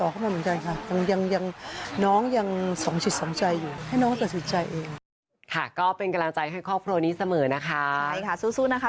ค่ะสู้นะคะพี่เปิ้ล